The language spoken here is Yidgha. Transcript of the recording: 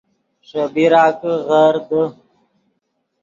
ݰے بیرا کہ غر دے